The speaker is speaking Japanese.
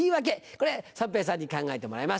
これ三平さんに考えてもらいます。